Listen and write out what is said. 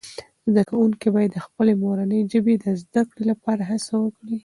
زده کوونکي باید د خپلې مورنۍ ژبې د زده کړې لپاره هڅه وکړي.